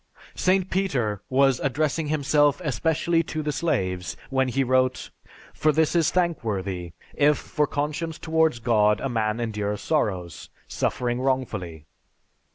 St. Peter was addressing himself especially to the slaves when he wrote, "For this is thankworthy, if for conscience towards God a man endures sorrows, suffering wrongfully."